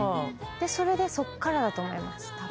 それでそっからだと思いますたぶん。